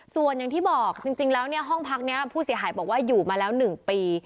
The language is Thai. ส่วนอย่างที่บอกจริงแล้วเนี่ยห้องพักนี้ผู้เสียหายบอกว่าอยู่มาแล้ว๑ปี